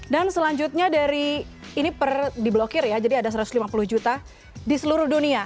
dan selanjutnya dari ini di block ir ya jadi ada satu ratus lima puluh juta di seluruh dunia